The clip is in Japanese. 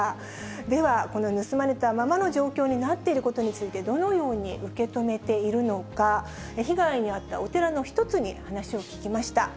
では、この盗まれたままの状況になっていることについて、どのように受け止めているのか、被害に遭ったお寺の１つに話を聞きました。